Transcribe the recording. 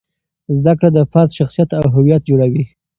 زده کړه د فرد شخصیت او هویت جوړوي.